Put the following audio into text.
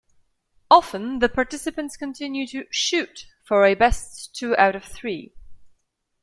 Often, the participants continue to "shoot" for a best two out of three".